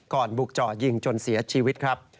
บุกเจาะยิงจนเสียชีวิตครับ